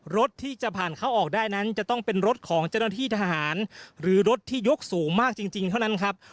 รถที่จะผ่านเข้าออกได้นั้นจะต้องเป็นรถของเจ้าหน้าที่ทหารหรือรถที่ยกสูงมากจริงเท่านั้นครับ